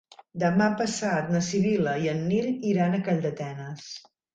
Demà passat na Sibil·la i en Nil iran a Calldetenes.